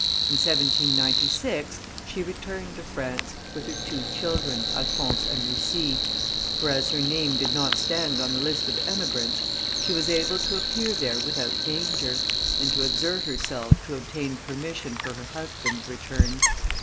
In 1796, she returned to France, with her two children, Alphonse and Lucie, for, as her name did not stand on the list of emigrants, she was able to appear there without danger, and to exert herself to obtain permission for her husband's return.